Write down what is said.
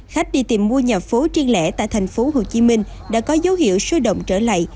khách đi tìm mua nhà phố triên lẻ tại thành phố hồ chí minh đã có dấu hiệu sôi động trở lại